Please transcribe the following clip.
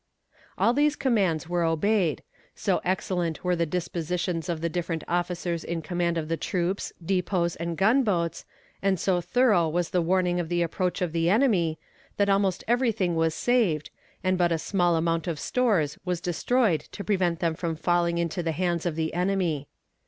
All these commands were obeyed. So excellent were the dispositions of the different officers in command of the troops, depots and gunboats, and so thorough was the warning of the approach of the enemy, that almost everything was saved, and but a small amount of stores was destroyed to prevent them from falling into the hands of the enemy.